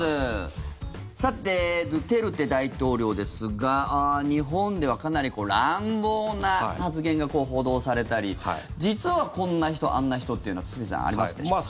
さてドゥテルテ大統領ですが日本ではかなり乱暴な発言が報道されたり実はこんな人、あんな人というのは堤さん、ありますでしょうか。